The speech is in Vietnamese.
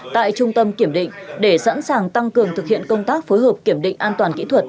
tại trung tâm kiểm định để sẵn sàng tăng cường thực hiện công tác phối hợp kiểm định an toàn kỹ thuật